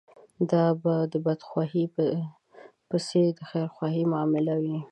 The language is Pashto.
دا به په بدخواهي پسې د خيرخواهي معامله وي.